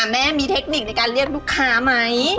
แม่มีเทคนิคในการเรียกลูกค้าไหม